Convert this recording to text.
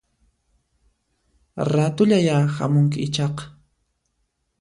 Ratullayá hamunki ichaqa